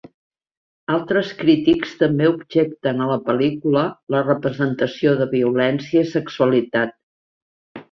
Altres crítics també objecten a la pel·lícula la representació de violència i sexualitat.